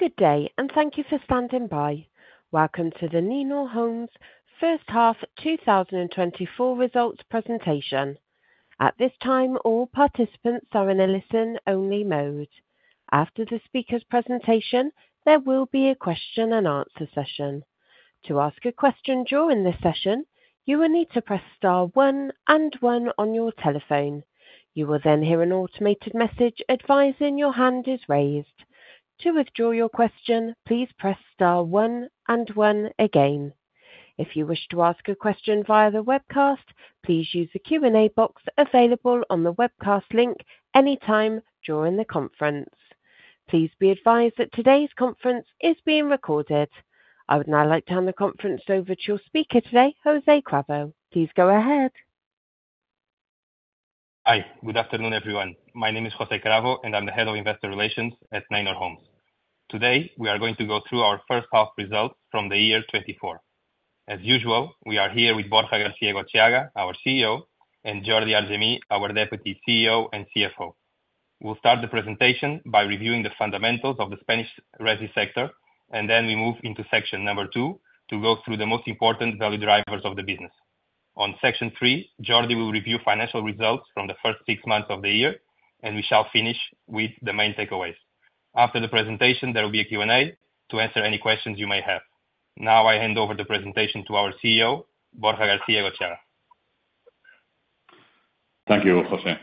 Have a good day, and thank you for standing by. Welcome to the Neinor Homes 1H 2024 Results Presentation. At this time, all participants are in a listen-only mode. After the speaker's presentation, there will be a question-and-answer session. To ask a question during this session, you will need to press Star 1 and 1 on your telephone. You will then hear an automated message advising your hand is raised. To withdraw your question, please press Star one and one again. If you wish to ask a question via the webcast, please use the Q&A box available on the webcast link anytime during the conference. Please be advised that today's conference is being recorded. I would now like to hand the conference over to your speaker today, José Cravo. Please go ahead. Hi, good afternoon, everyone. My name is José Cravo, and I'm the Head of Investor Relations at Neinor Homes. Today, we are going to go through our 1H Results from the year 2024. As usual, we are here with Borja García-Egotxeaga, our CEO, and Jordi Argemí, our Deputy CEO and CFO. We'll start the presentation by reviewing the fundamentals of the Spanish REITs sector, and then we move into section two to go through the most important value drivers of the business. On section three, Jordi will review financial results from the first six months of the year, and we shall finish with the main takeaways. After the presentation, there will be a Q&A to answer any questions you may have. Now, I hand over the presentation to our CEO, Borja García-Egotxeaga. Thank you, José.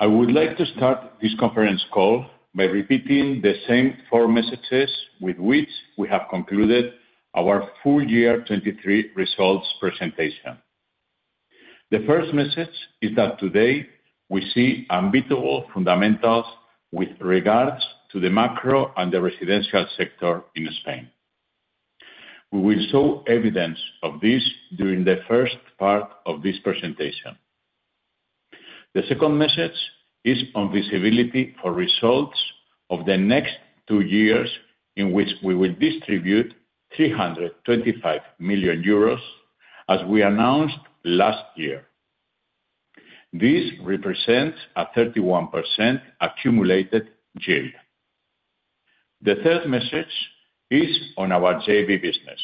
I would like to start this conference call by repeating the same four messages with which we have concluded our full year 2023 results presentation. The first message is that today we see unbeatable fundamentals with regards to the macro and the residential sector in Spain. We will show evidence of this during the first part of this presentation. The second message is on visibility for results of the next two years in which we will distribute 325 million euros as we announced last year. This represents a 31% accumulated yield. The third message is on our JV business.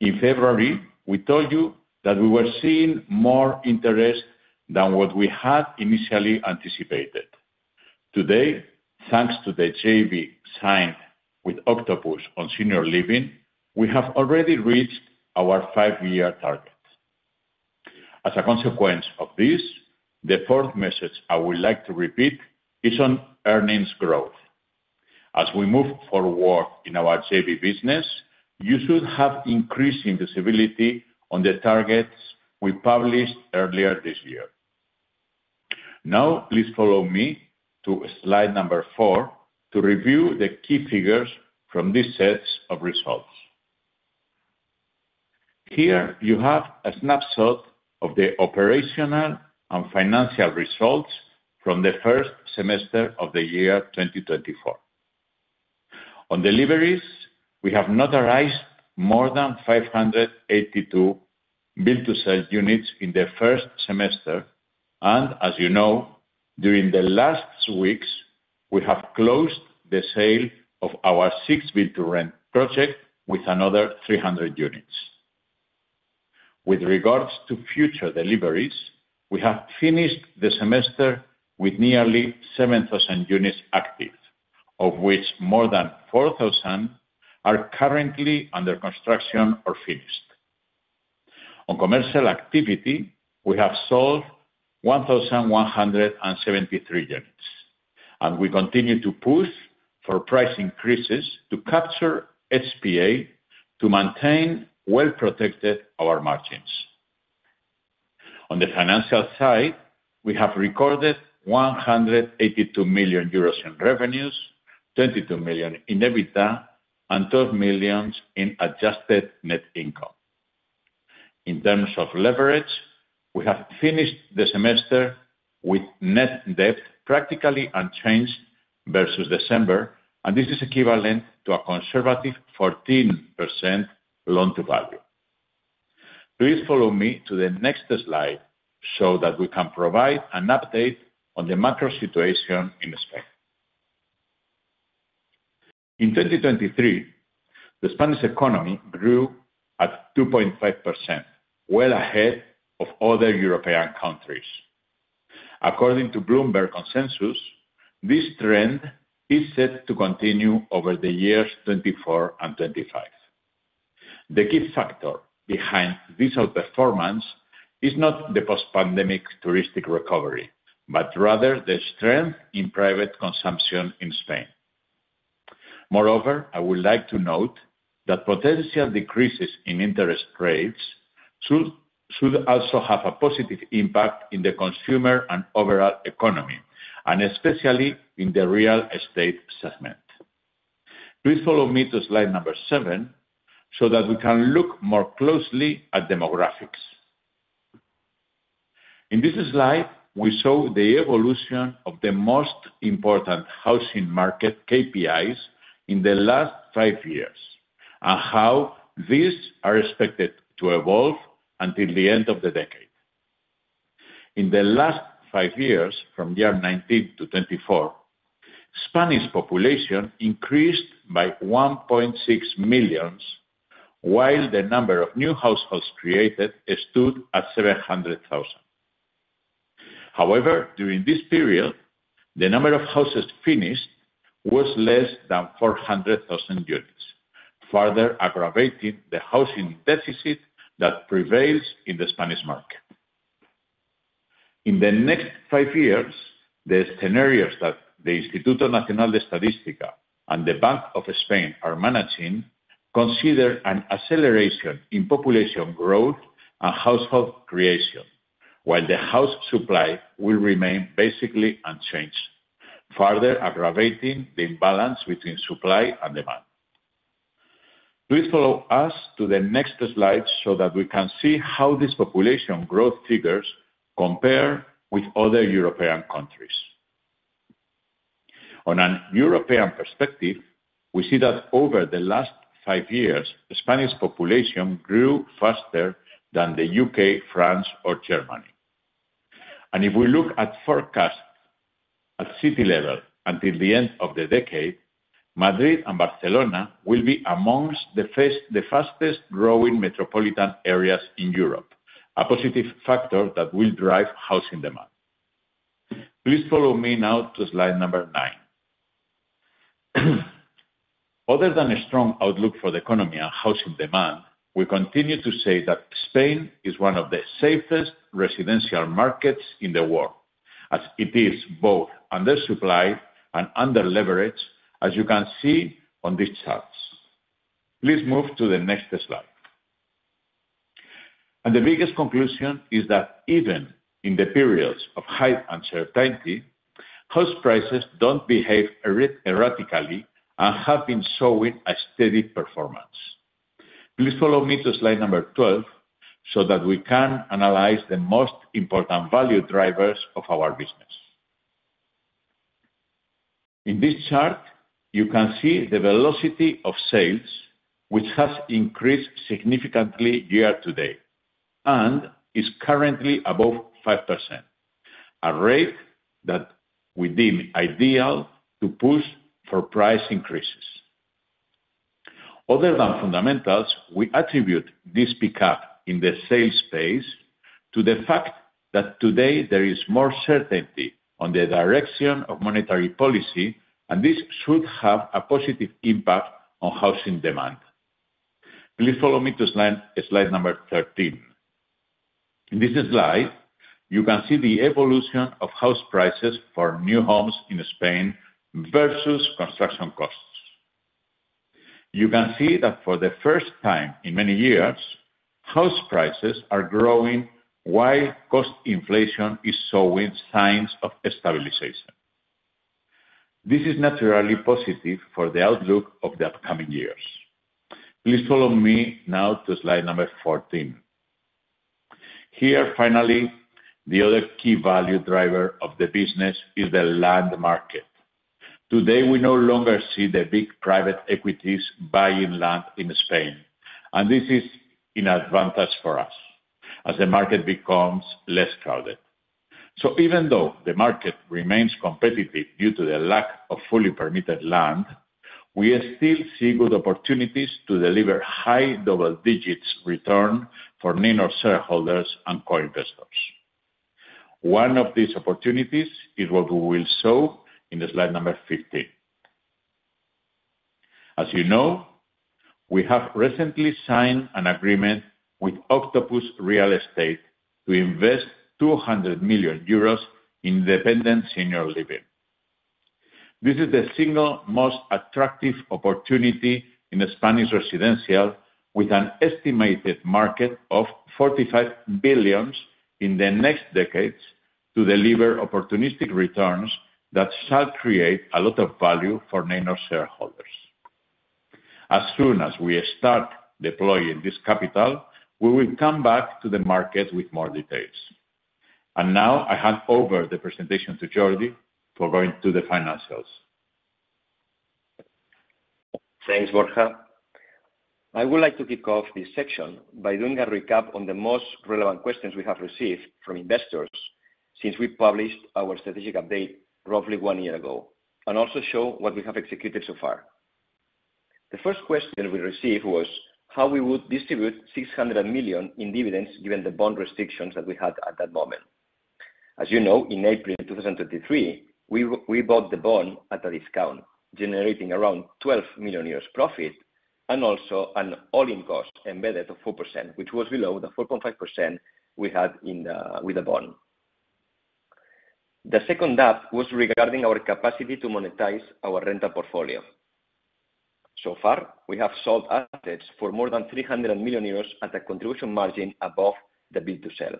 In February, we told you that we were seeing more interest than what we had initially anticipated. Today, thanks to the JV signed with Octopus on senior living, we have already reached our five-year target. As a consequence of this, the fourth message I would like to repeat is on earnings growth. As we move forward in our JV business, you should have increased visibility on the targets we published earlier this year. Now, please follow me to Slide 4 to review the key figures from these sets of results. Here you have a snapshot of the operational and financial results from the first semester of the year 2024. On deliveries, we have notarized more than 582 build-to-sale units in the first semester, and as you know, during the last weeks, we have closed the sale of our six build-to-rent projects with another 300 units. With regards to future deliveries, we have finished the semester with nearly 7,000 units active, of which more than 4,000 are currently under construction or finished. On commercial activity, we have sold 1,173 units, and we continue to push for price increases to capture HPA to maintain well-protected our margins. On the financial side, we have recorded 182 million euros in revenues, 22 million in EBITDA, and 12 million in adjusted net income. In terms of leverage, we have finished the semester with net debt practically unchanged versus December, and this is equivalent to a conservative 14% loan-to-value. Please follow me to the next slide so that we can provide an update on the macro situation in Spain. In 2023, the Spanish economy grew at 2.5%, well ahead of other European countries. According to Bloomberg Consensus, this trend is set to continue over the years 2024 and 2025. The key factor behind this outperformance is not the post-pandemic touristic recovery, but rather the strength in private consumption in Spain. Moreover, I would like to note that potential decreases in interest rates should also have a positive impact in the consumer and overall economy, and especially in the real estate segment. Please follow me to slide seven so that we can look more closely at demographics. In this slide, we show the evolution of the most important housing market KPIs in the last five years and how these are expected to evolve until the end of the decade. In the last five years, from year 2019 to 2024, Spanish population increased by 1.6 million, while the number of new households created stood at 700,000. However, during this period, the number of houses finished was less than 400,000 units, further aggravating the housing deficit that prevails in the Spanish market. In the next 5 years, the scenarios that the Instituto Nacional de Estadística and the Bank of Spain are managing consider an acceleration in population growth and household creation, while the house supply will remain basically unchanged, further aggravating the imbalance between supply and demand. Please follow us to the next slide so that we can see how this population growth figures compare with other European countries. On a European perspective, we see that over the last 5 years, the Spanish population grew faster than the U.K., France, or Germany. If we look at forecasts at city level until the end of the decade, Madrid and Barcelona will be amongst the fastest-growing metropolitan areas in Europe, a positive factor that will drive housing demand. Please follow me now to slide nine. Other than a strong outlook for the economy and housing demand, we continue to say that Spain is one of the safest residential markets in the world, as it is both undersupplied and under-leveraged, as you can see on these charts. Please move to the next slide. The biggest conclusion is that even in the periods of high uncertainty, house prices don't behave erratically and have been showing a steady performance. Please follow me to Slide 12 so that we can analyze the most important value drivers of our business. In this chart, you can see the velocity of sales, which has increased significantly year to date and is currently above 5%, a rate that we deem ideal to push for price increases. Other than fundamentals, we attribute this pickup in the sales space to the fact that today there is more certainty on the direction of monetary policy, and this should have a positive impact on housing demand. Please follow me to slide 13. In this slide, you can see the evolution of house prices for new homes in Spain versus construction costs. You can see that for the first time in many years, house prices are growing while cost inflation is showing signs of stabilization. This is naturally positive for the outlook of the upcoming years. Please follow me now to slide 14. Here, finally, the other key value driver of the business is the land market. Today, we no longer see the big private equities buying land in Spain, and this is an advantage for us as the market becomes less crowded. Even though the market remains competitive due to the lack of fully permitted land, we still see good opportunities to deliver high double-digit returns for Neinor shareholders and co-investors. One of these opportunities is what we will show in slide 15. As you know, we have recently signed an agreement with Octopus Real Estate to invest 200 million euros in independent senior living. This is the single most attractive opportunity in the Spanish residential, with an estimated market of 45 billion in the next decades to deliver opportunistic returns that shall create a lot of value for Neinor shareholders. As soon as we start deploying this capital, we will come back to the market with more details. Now, I hand over the presentation to Jordi for going to the financials. Thanks, Borja. I would like to kick off this section by doing a recap on the most relevant questions we have received from investors since we published our strategic update roughly one year ago, and also show what we have executed so far. The first question we received was how we would distribute 600 million in dividends given the bond restrictions that we had at that moment. As you know, in April 2023, we bought the bond at a discount, generating around 12 million euros profit and also an all-in cost embedded of 4%, which was below the 4.5% we had with the bond. The second ask was regarding our capacity to monetize our rental portfolio. So far, we have sold assets for more than 300 million euros at a contribution margin above the build-to-sale.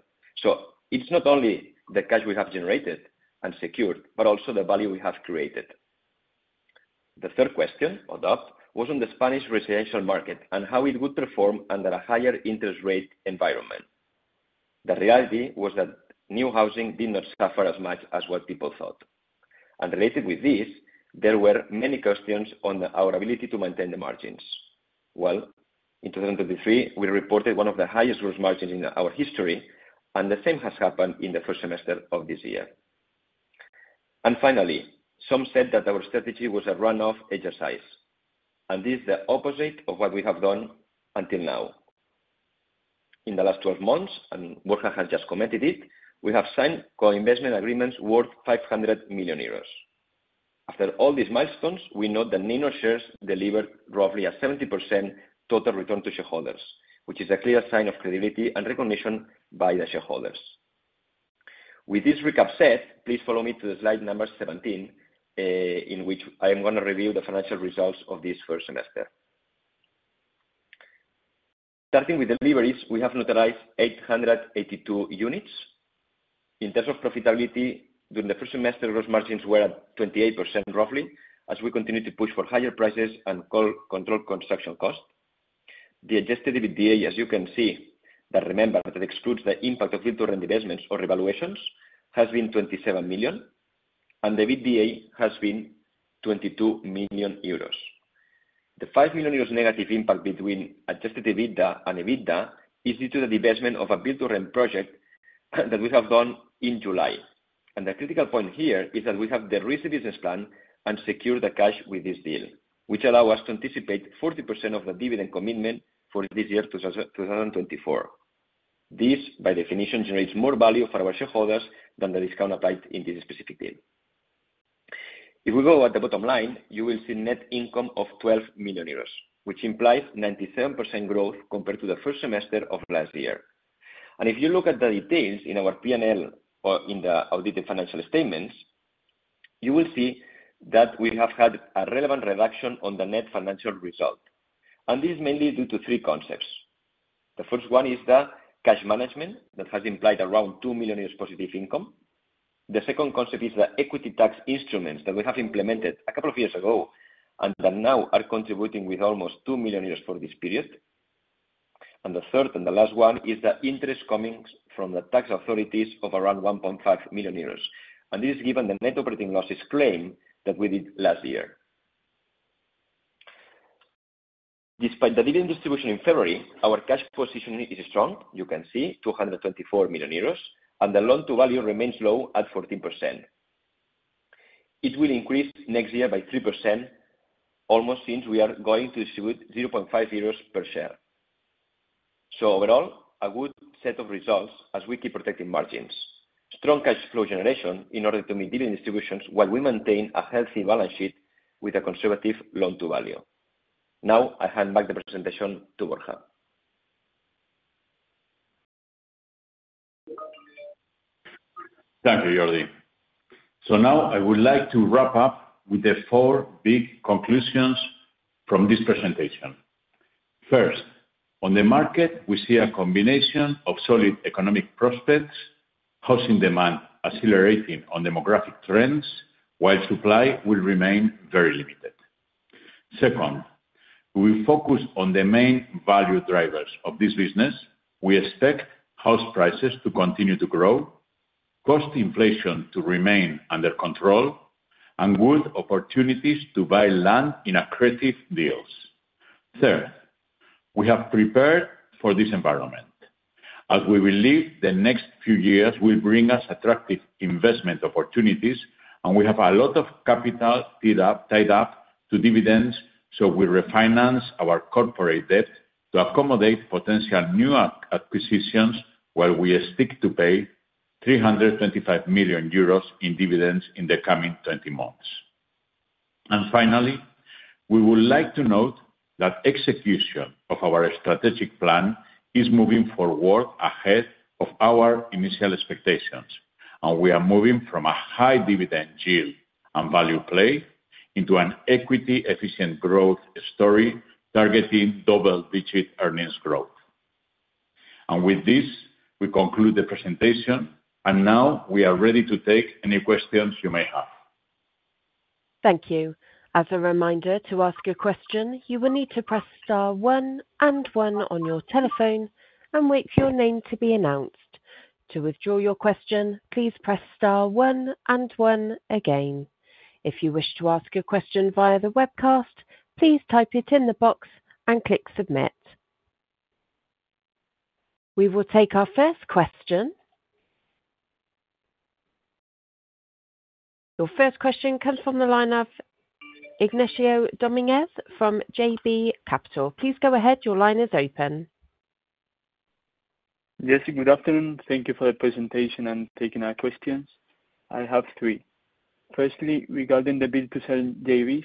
It's not only the cash we have generated and secured, but also the value we have created. The third question was on the Spanish residential market and how it would perform under a higher interest rate environment. The reality was that new housing did not suffer as much as what people thought. Related with this, there were many questions on our ability to maintain the margins. Well, in 2023, we reported one of the highest gross margins in our history, and the same has happened in the first semester of this year. Finally, some said that our strategy was a run-off exercise, and this is the opposite of what we have done until now. In the last 12 months, and Borja has just commented it, we have signed co-investment agreements worth 500 million euros. After all these milestones, we note that Neinor shares delivered roughly a 70% total return to shareholders, which is a clear sign of credibility and recognition by the shareholders. With this recap set, please follow me to slide 17, in which I am going to review the financial results of this first semester. Starting with deliveries, we have notarized 882 units. In terms of profitability, during the first semester, gross margins were at 28% roughly, as we continue to push for higher prices and control construction costs. The adjusted EBITDA, as you can see, that remember that excludes the impact of build-to-rent investments or revaluations, has been 27 million, and the EBITDA has been 22 million euros. The 5 million euros negative impact between adjusted EBITDA and EBITDA is due to the divestment of a build-to-rent project that we have done in July. The critical point here is that we have the recent business plan and secured the cash with this deal, which allows us to anticipate 40% of the dividend commitment for this year 2024. This, by definition, generates more value for our shareholders than the discount applied in this specific deal. If we go at the bottom line, you will see net income of 12 million euros, which implies 97% growth compared to the first semester of last year. And if you look at the details in our P&L or in the audited financial statements, you will see that we have had a relevant reduction on the net financial result. And this is mainly due to three concepts. The first one is the cash management that has implied around 2 million euros positive income. The second concept is the equity tax instruments that we have implemented a couple of years ago and that now are contributing with almost 2 million euros for this period. The third and the last one is the interest coming from the tax authorities of around 1.5 million euros. This is given the net operating losses claim that we did last year. Despite the dividend distribution in February, our cash position is strong, you can see, 224 million euros, and the loan-to-value remains low at 14%. It will increase next year by 3%, almost since we are going to distribute 0.5 euros per share. Overall, a good set of results as we keep protecting margins, strong cash flow generation in order to meet dividend distributions while we maintain a healthy balance sheet with a conservative loan-to-value. Now, I hand back the presentation to Borja. Thank you, Jordi. So now, I would like to wrap up with the four big conclusions from this presentation. First, on the market, we see a combination of solid economic prospects, housing demand accelerating on demographic trends, while supply will remain very limited. Second, we focus on the main value drivers of this business. We expect house prices to continue to grow, cost inflation to remain under control, and good opportunities to buy land in accretive deals. Third, we have prepared for this environment. As we believe the next few years will bring us attractive investment opportunities, and we have a lot of capital tied up to dividends, so we refinance our corporate debt to accommodate potential new acquisitions while we stick to pay 325 million euros in dividends in the coming 20 months. Finally, we would like to note that execution of our strategic plan is moving forward ahead of our initial expectations, and we are moving from a high dividend yield and value play into an equity-efficient growth story targeting double-digit earnings growth. With this, we conclude the presentation, and now we are ready to take any questions you may have. Thank you. As a reminder, to ask a question, you will need to press star one and one on your telephone and wait for your name to be announced. To withdraw your question, please press star one and one again. If you wish to ask a question via the webcast, please type it in the box and click submit. We will take our first question. Your first question comes from the line of Ignacio Domínguez from JB Capital Markets. Please go ahead. Your line is open. Ignacio, good afternoon. Thank you for the presentation and taking our questions. I have three. Firstly, regarding the build-to-sale JVs,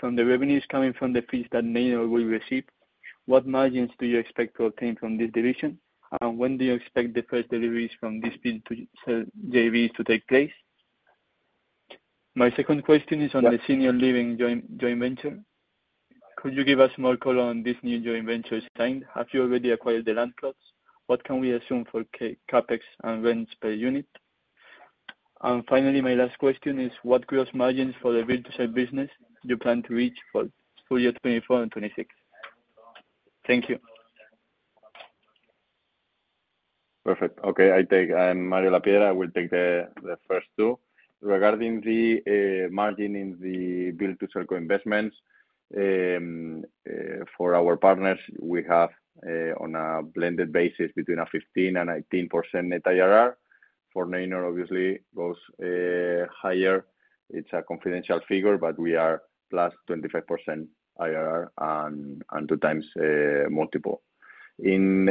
from the revenues coming from the fees that Neinor will receive, what margins do you expect to obtain from this division, and when do you expect the first deliveries from this build-to-sale JVs to take place? My second question is on the senior living joint venture. Could you give us more color on this new joint venture signed? Have you already acquired the land plots? What can we assume for Capex and rents per unit? And finally, my last question is, what gross margins for the build-to-sale business do you plan to reach for the year 2024 and 2026? Thank you. Perfect. Okay, I'm Mario Lapiedra. I will take the first two. Regarding the margin in the build-to-sale co-investments for our partners, we have on a blended basis between a 15% and 18% net IRR. For Neinor, obviously, it goes higher. It's a confidential figure, but we are 25%+ IRR and 2x multiple. In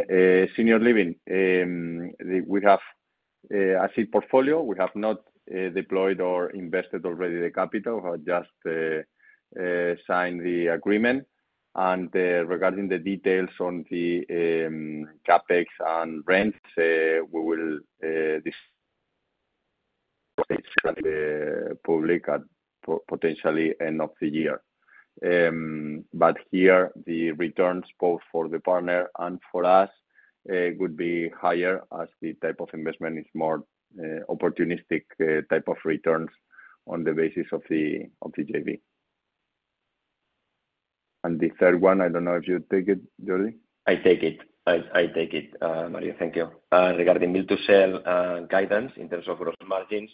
senior living, we have a seed portfolio. We have not deployed or invested already the capital. We have just signed the agreement. And regarding the details on the CapEx and rents, we will explain to the public at potentially the end of the year. But here, the returns both for the partner and for us would be higher as the type of investment is more opportunistic type of returns on the basis of the JV. And the third one, I don't know if you take it, Jordi? I take it. I take it, Mario. Thank you. Regarding build-to-sale guidance, in terms of gross margins,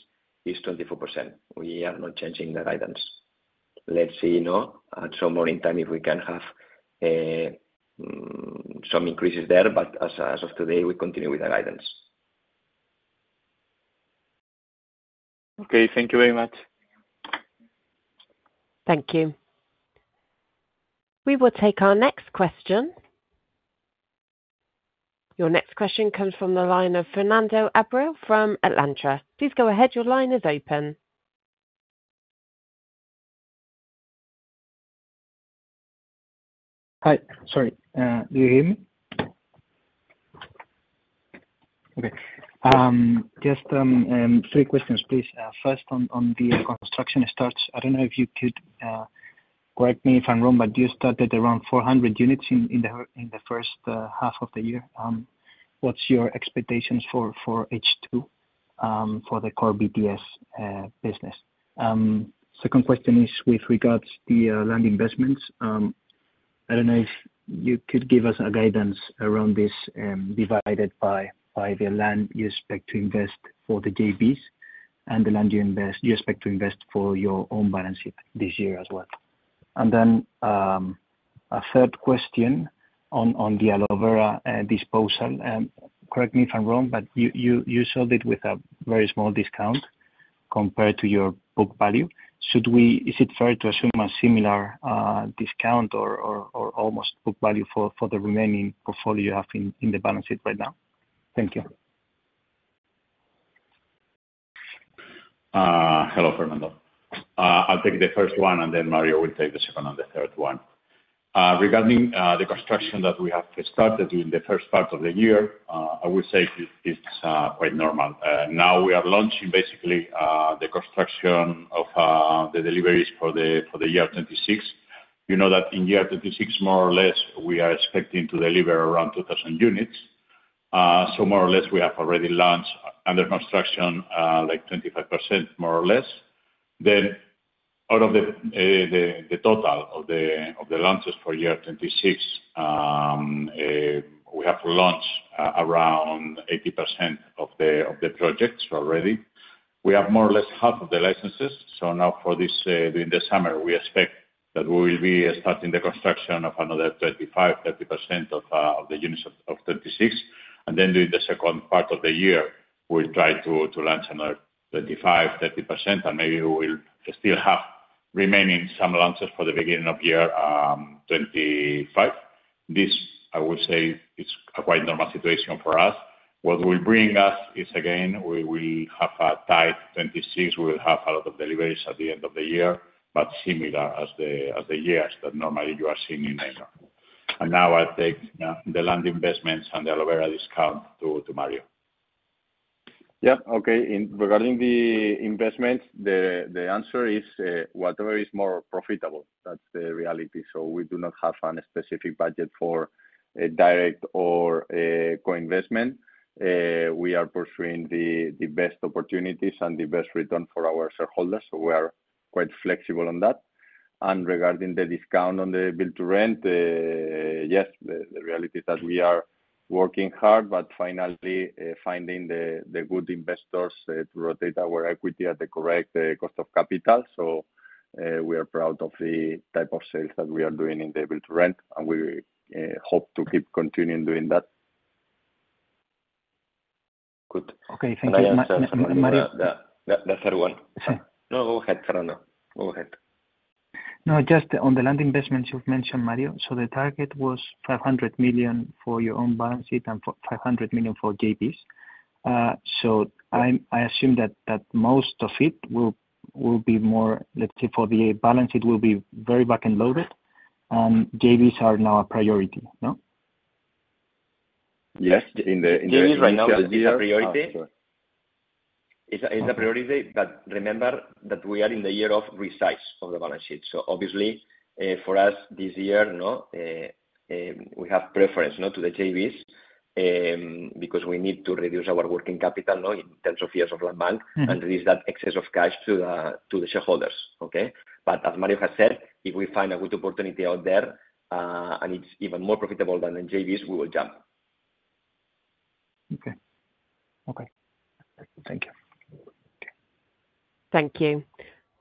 it's 24%. We are not changing the guidance. Let's see at some point in time if we can have some increases there, but as of today, we continue with the guidance. Okay, thank you very much. Thank you. We will take our next question. Your next question comes from the line of Fernando Abril from Alantra. Please go ahead. Your line is open. Hi. Sorry. Do you hear me? Okay. Just three questions, please. First, on the construction starts, I don't know if you could correct me if I'm wrong, but you started around 400 units in the 3H of the year. What's your expectations for H2 for the core BTS business? Second question is with regards to the land investments. I don't know if you could give us a guidance around this divided by the land you expect to invest for the JVs and the land you expect to invest for your own balance sheet this year as well. And then a third question on the Alovera disposal. Correct me if I'm wrong, but you sold it with a very small discount compared to your book value. Is it fair to assume a similar discount or almost book value for the remaining portfolio you have in the balance sheet right now? Thank you. Hello, Fernando. I'll take the first one, and then Mario will take the second and the third one. Regarding the construction that we have started during the first part of the year, I will say it's quite normal. Now, we are launching basically the construction of the deliveries for the year 2026. You know that in year 2026, more or less, we are expecting to deliver around 2,000 units. So more or less, we have already launched under construction like 25%, more or less. Then out of the total of the launches for year 2026, we have launched around 80% of the projects already. We have more or less half of the licenses. So now for this, during the summer, we expect that we will be starting the construction of another 25%-30% of the units of 2026. Then during the second part of the year, we'll try to launch another 25, 30%, and maybe we will still have remaining some launches for the beginning of year 2025. This, I would say, is a quite normal situation for us. What will bring us is, again, we will have a tight 2026. We will have a lot of deliveries at the end of the year, but similar as the years that normally you are seeing in Neinor. And now I'll take the land investments and the Alovera disposal to Mario. Yeah. Okay. Regarding the investments, the answer is whatever is more profitable. That's the reality. So we do not have a specific budget for direct or co-investment. We are pursuing the best opportunities and the best return for our shareholders. So we are quite flexible on that. And regarding the discount on the build-to-rent, yes, the reality is that we are working hard, but finally finding the good investors to rotate our equity at the correct cost of capital. So we are proud of the type of sales that we are doing in the build-to-rent, and we hope to keep continuing doing that. Good. Okay. Thank you so much, Mario. That's a good one. No, go ahead, Fernando. Go ahead. No, just on the land investments you've mentioned, Mario. So the target was 500 million for your own balance sheet and 500 million for JVs. So I assume that most of it will be more, let's say, for the balance sheet will be very back-loaded, and JVs are now a priority, no? Yes. In the year 2024. JVs right now, this is a priority? is a priority, but remember that we are in the year of resize of the balance sheet. So obviously, for us, this year, we have preference to the JVs because we need to reduce our working capital in terms of years of land bank and release that excess of cash to the shareholders. Okay? But as Mario has said, if we find a good opportunity out there and it's even more profitable than the JVs, we will jump. Okay. Okay. Thank you. Thank you.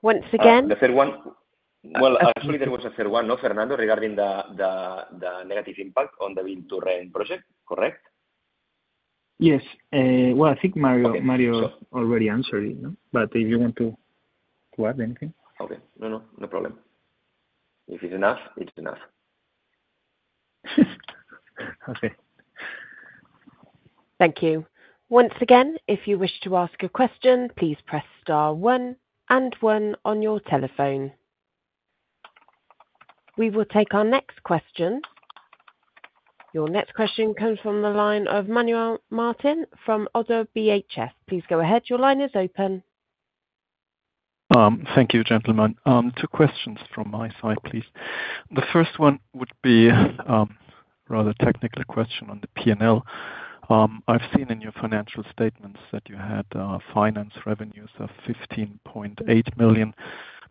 Once again. The third one? Well, actually, there was a third one, no, Fernando? Regarding the negative impact on the build-to-rent project, correct? Yes. Well, I think Mario already answered it, but if you want to add anything. Okay. No, no. No problem. If it's enough, it's enough. Okay. Thank you. Once again, if you wish to ask a question, please press star one and one on your telephone. We will take our next question. Your next question comes from the line of Manuel Martin from ODDO BHF. Please go ahead. Your line is open. Thank you, gentlemen. Two questions from my side, please. The first one would be rather a technical question on the P&L. I've seen in your financial statements that you had finance revenues of 15.8 million.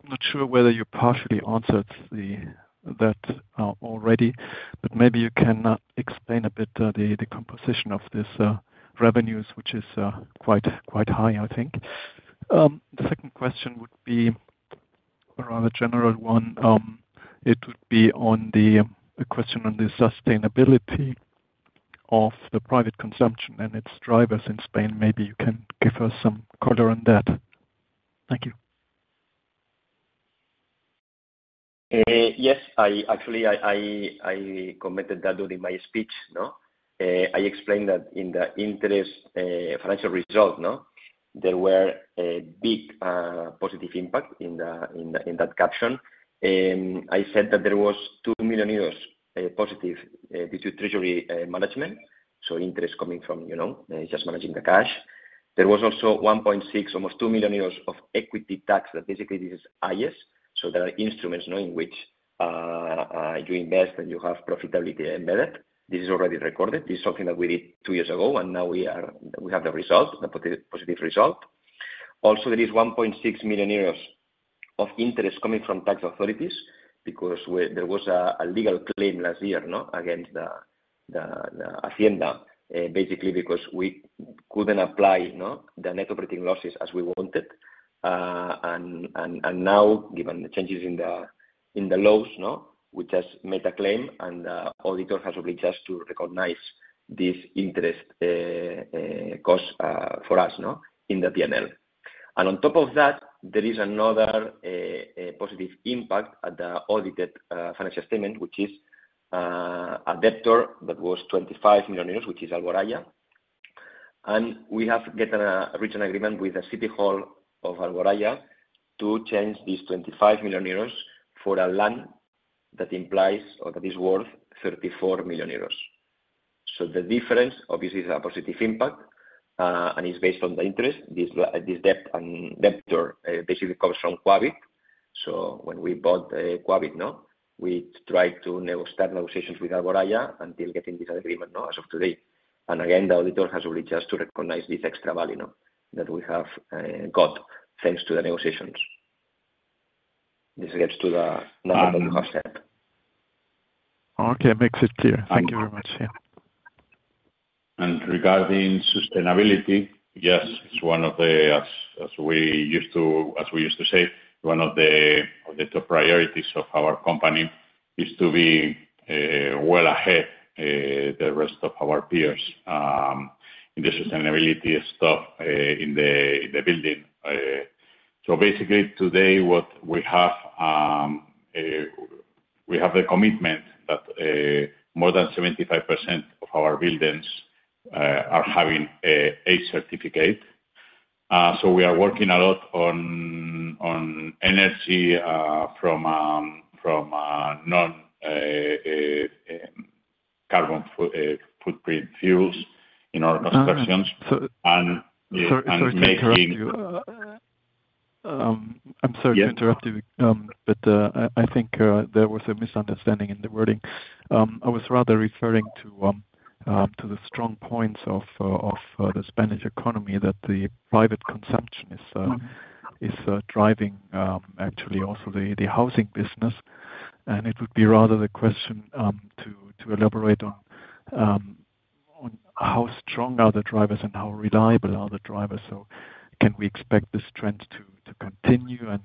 I'm not sure whether you partially answered that already, but maybe you can explain a bit the composition of these revenues, which is quite high, I think. The second question would be a rather general one. It would be a question on the sustainability of the private consumption and its drivers in Spain. Maybe you can give us some color on that. Thank you. Yes. Actually, I commented that during my speech. I explained that in the interest financial result, there were big positive impacts in that caption. I said that there was 2 million euros positive due to treasury management, so interest coming from just managing the cash. There was also 1.6 million, almost 2 million euros of equity tax that basically this is highest. So there are instruments in which you invest and you have profitability embedded. This is already recorded. This is something that we did two years ago, and now we have the result, the positive result. Also, there is €1.6 million of interest coming from tax authorities because there was a legal claim last year against the Hacienda, basically because we couldn't apply the net operating losses as we wanted. And now, given the changes in the laws, we just made a claim, and the auditor has obliged us to recognize this interest cost for us in the P&L. On top of that, there is another positive impact at the audited financial statement, which is a debtor that was 25 million euros, which is Alboraya. We have reached an agreement with the city hall of Alboraya to change this 25 million euros for a land that implies or that is worth 34 million euros. So the difference, obviously, is a positive impact, and it's based on the interest. This debtor basically comes from Quabit. When we bought Quabit, we tried to start negotiations with Alboraya until getting this agreement as of today. Again, the auditor has obliged us to recognize this extra value that we have got thanks to the negotiations. This gets to the number that you have said. Okay. Makes it clear. Thank you very much. Regarding sustainability, yes, it's one of the, as we used to say, one of the top priorities of our company is to be well ahead of the rest of our peers in the sustainability stuff in the building. So basically, today, what we have, we have the commitment that more than 75% of our buildings are having a certificate. So we are working a lot on energy from non-carbon footprint fuels in our constructions. Sorry to interrupt you. I'm sorry to interrupt you, but I think there was a misunderstanding in the wording. I was rather referring to the strong points of the Spanish economy that the private consumption is driving actually also the housing business. It would be rather the question to elaborate on how strong are the drivers and how reliable are the drivers. Can we expect this trend to continue? What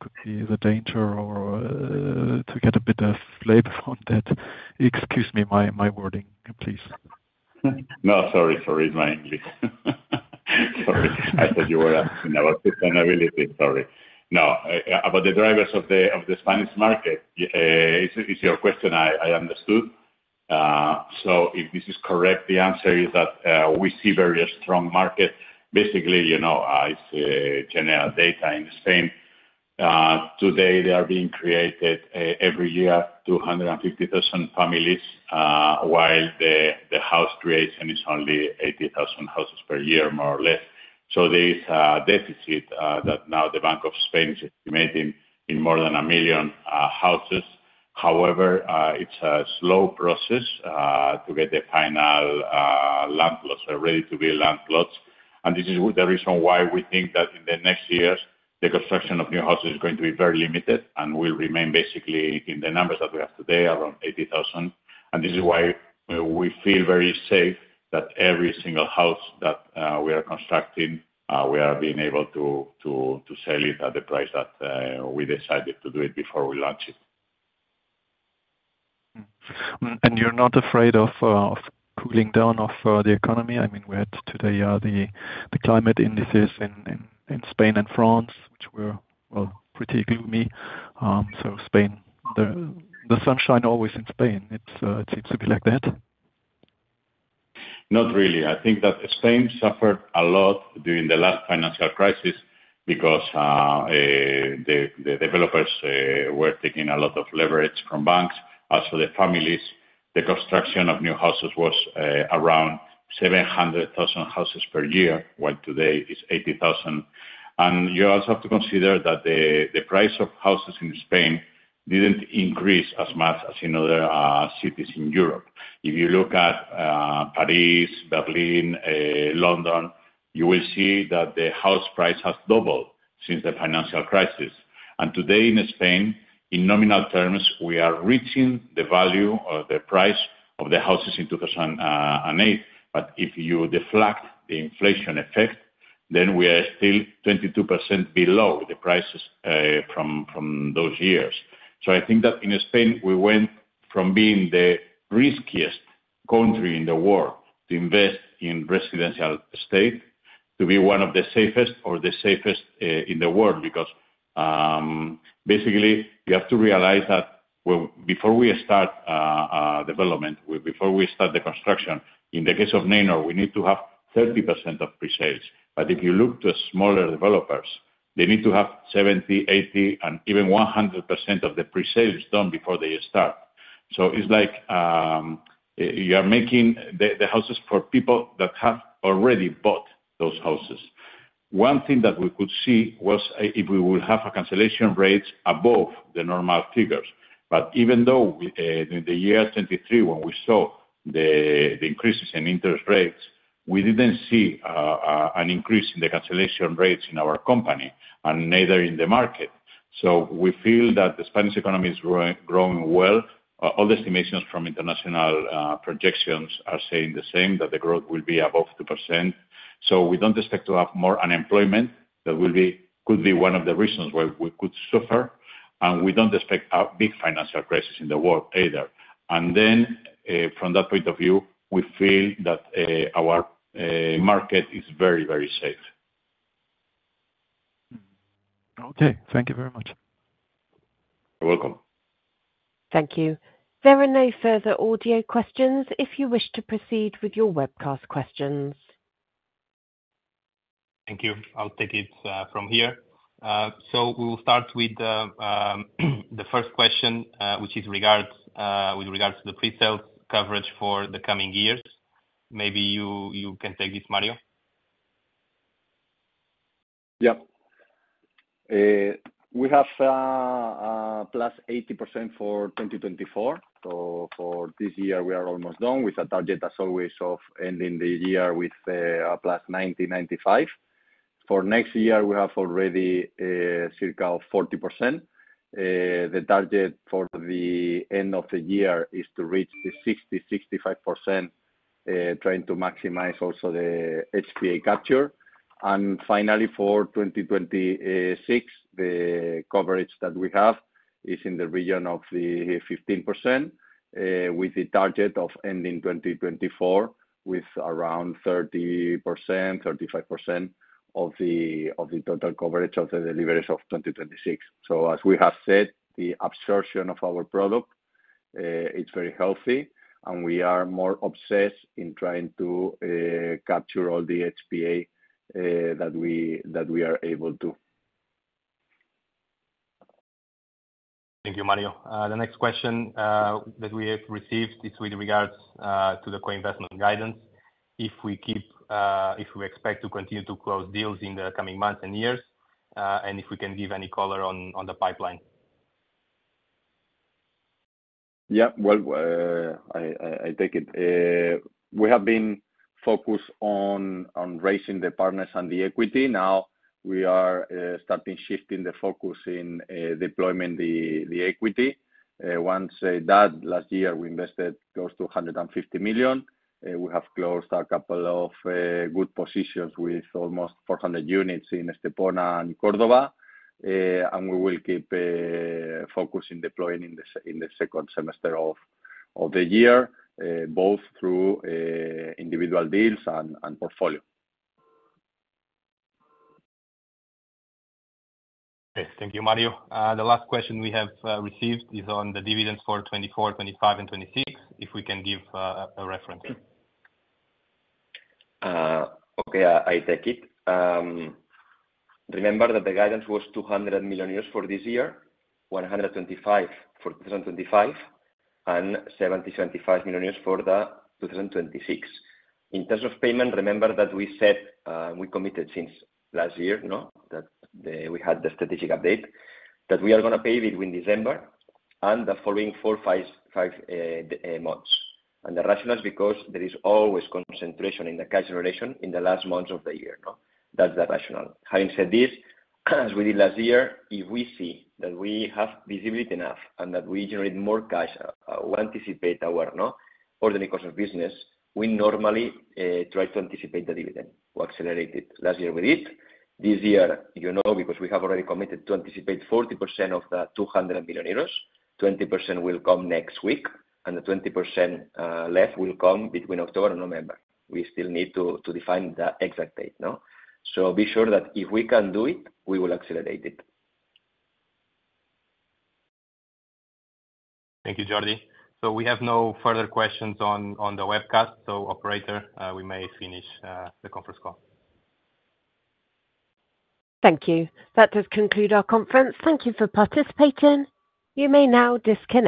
could be the danger or to get a bit of flavor on that? Excuse me, my wording, please. No, sorry. Sorry is my English. Sorry. I thought you were asking about sustainability. Sorry. No, about the drivers of the Spanish market, it's your question, I understood. So if this is correct, the answer is that we see a very strong market. Basically, it's general data in Spain. Today, they are being created every year 250,000 families, while the house creation is only 80,000 houses per year, more or less. So there is a deficit that now the Bank of Spain is estimating in more than 1 million houses. However, it's a slow process to get the final land plots ready to be land plots. And this is the reason why we think that in the next years, the construction of new houses is going to be very limited and will remain basically in the numbers that we have today, around 80,000. This is why we feel very safe that every single house that we are constructing, we are being able to sell it at the price that we decided to do it before we launch it. You're not afraid of cooling down of the economy? I mean, we had today the climate indices in Spain and France, which were pretty gloomy. Spain, the sunshine always in Spain. It seems to be like that. Not really. I think that Spain suffered a lot during the last financial crisis because the developers were taking a lot of leverage from banks. Also, the families, the construction of new houses was around 700,000 houses per year, while today it's 80,000. And you also have to consider that the price of houses in Spain didn't increase as much as in other cities in Europe. If you look at Paris, Berlin, London, you will see that the house price has doubled since the financial crisis. And today in Spain, in nominal terms, we are reaching the value or the price of the houses in 2008. But if you deflect the inflation effect, then we are still 22% below the prices from those years. So I think that in Spain, we went from being the riskiest country in the world to invest in real estate to be one of the safest or the safest in the world because basically, you have to realize that before we start development, before we start the construction, in the case of Neinor, we need to have 30% of pre-sales. But if you look to smaller developers, they need to have 70, 80, and even 100% of the pre-sales done before they start. So it's like you are making the houses for people that have already bought those houses. One thing that we could see was if we will have cancellation rates above the normal figures. But even though in the year 2023, when we saw the increases in interest rates, we didn't see an increase in the cancellation rates in our company and neither in the market. So we feel that the Spanish economy is growing well. All the estimations from international projections are saying the same, that the growth will be above 2%. So we don't expect to have more unemployment that could be one of the reasons why we could suffer. And we don't expect a big financial crisis in the world either. And then from that point of view, we feel that our market is very, very safe. Okay. Thank you very much. You're welcome. Thank you. There are no further audio questions. If you wish to proceed with your webcast questions. Thank you. I'll take it from here. We will start with the first question, which is with regards to the pre-sales coverage for the coming years. Maybe you can take this, Mario. Yep. We have +80% for 2024. So for this year, we are almost done with a target, as always, of ending the year with +90%-95%. For next year, we have already circa 40%. The target for the end of the year is to reach the 60%-65%, trying to maximize also the HPA capture. And finally, for 2026, the coverage that we have is in the region of the 15%, with the target of ending 2024 with around 30%-35% of the total coverage of the deliveries of 2026. So as we have said, the absorption of our product, it's very healthy, and we are more obsessed in trying to capture all the HPA that we are able to. Thank you, Mario. The next question that we have received is with regards to the co-investment guidance. If we expect to continue to close deals in the coming months and years, and if we can give any color on the pipeline. Yep. Well, I take it. We have been focused on raising the partners and the equity. Now, we are starting shifting the focus in deployment of the equity. Once that, last year, we invested close to 150 million. We have closed a couple of good positions with almost 400 units in Estepona and Córdoba. And we will keep focusing on deploying in the second semester of the year, both through individual deals and portfolio. Okay. Thank you, Mario. The last question we have received is on the dividends for 2024, 2025, and 2026, if we can give a reference. Okay. I take it. Remember that the guidance was 200 million euros for this year, 125 million for 2025, and 70- 75 million euros for 2026. In terms of payment, remember that we said we committed since last year that we had the strategic update that we are going to pay between December and the following 4-5 months. The rationale is because there is always concentration in the cash generation in the last months of the year. That's the rationale. Having said this, as we did last year, if we see that we have visibility enough and that we generate more cash, we anticipate our ordinary course of business. We normally try to anticipate the dividend. We accelerate it. Last year, we did. This year, because we have already committed to anticipate 40% of the 200 million euros, 20% will come next week, and the 20% left will come between October and November. We still need to define the exact date. So be sure that if we can do it, we will accelerate it. Thank you, Jordi. So we have no further questions on the webcast. So, operator, we may finish the conference call. Thank you. That does conclude our conference. Thank you for participating. You may now disconnect.